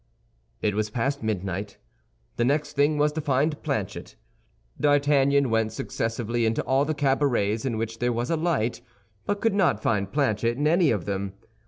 It was past midnight; the next thing was to find Planchet. D'Artagnan went successively into all the cabarets in which there was a light, but could not find Planchet in any of them.